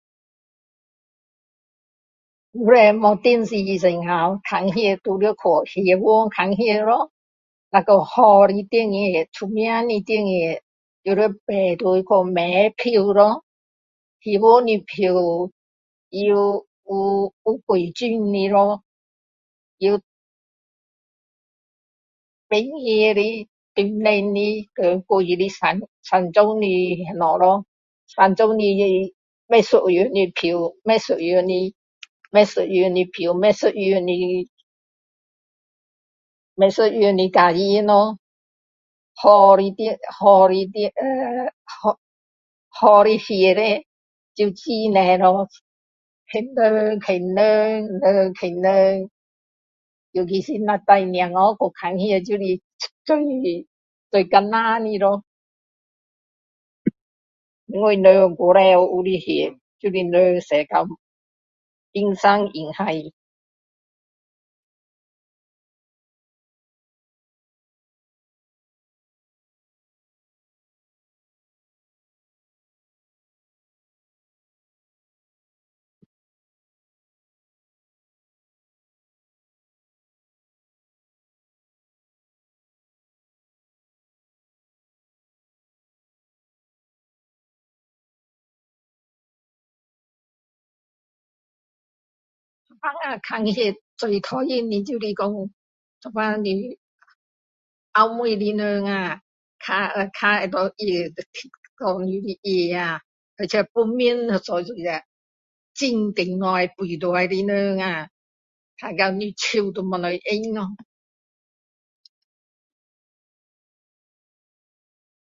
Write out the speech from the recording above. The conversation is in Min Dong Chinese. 以前没电视时候看戏都要去戏院看戏咯若说好的电影出名的电影就要排队去买票咯戏院的票由有几种的的咯有便宜的中等的和贵的三三种的那个咯三种的不一样的票不一样的不一样的票不一样的不一样的价钱咯好的电好的电呃…好的戏叻就很多咯别人人挤人人挤人尤其是若带孩子去看戏就是最最困难的咯因为人过多哦有些戏就是人多到人山人海有时候看戏最讨厌的就是说有时候你后面的人啊脚会在椅踢你的椅或者旁边坐一个很个大肥大的人啊看到你的手都没地方放咯